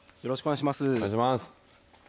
よろしくお願いします。